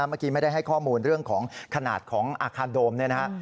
เมื่อกี้ไม่ได้ให้ข้อมูลเรื่องของขนาดของอาคารโดมเนี่ยนะฮะ